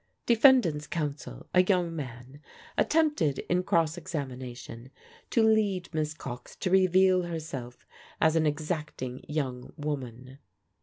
Defendant's counsel (a young man) attempted in cross examination to lead Miss Cox to reveal herself as an exacting young woman.